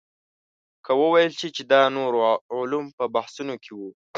که وویل شي چې دا نور علوم په بحثونو کې وو.